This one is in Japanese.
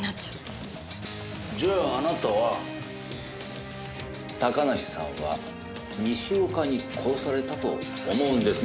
じゃああなたは高梨さんは西岡に殺されたと思うんですね？